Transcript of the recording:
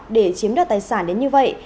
để chiếm đoạt tài sản đến như vậy